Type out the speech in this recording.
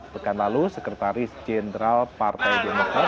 pekan lalu sekretaris jenderal partai demokrat